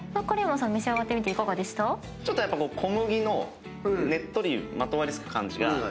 ちょっとやっぱ小麦のねっとりまとわりつく感じが。